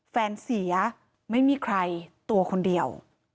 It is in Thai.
เสียไม่มีใครตัวคนเดียว